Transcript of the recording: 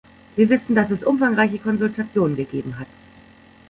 Wir wissen, dass es umfangreiche Konsultationen gegeben hat.